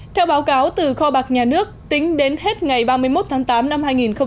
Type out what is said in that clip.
theo báo cáo từ kho bạc nhà nước tính đến hết ngày ba mươi một tháng tám năm hai nghìn một mươi chín